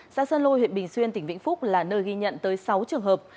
xã sơn lôi huyện bình xuyên tỉnh vĩnh phúc là nơi ghi nhận tới sáu trường hợp